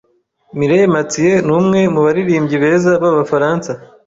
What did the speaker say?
Mireille Mathieu numwe mubaririmbyi beza b'Abafaransa.